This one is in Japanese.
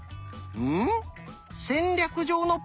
うん。